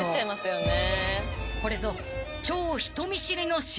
［これぞ超］